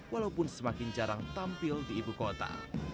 walaupun semakin jarang tampil di ibukota